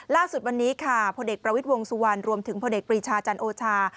ล่าสุดวันนี้ค่ะพลเอกประวิทย์วงสุวรรณรวมถึงพลเอกปรีชาจันโอชา